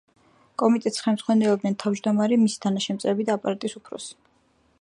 კომიტეტს ხელმძღვანელობენ თავმჯდომარე, მისი თანაშემწეები და აპარატის უფროსი.